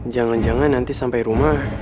jangan jangan nanti sampai rumah